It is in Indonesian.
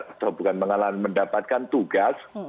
atau bukan mendapatkan tugas